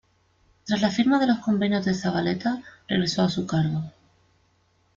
Tras la firma de los Convenios de Zavaleta regresó a su cargo.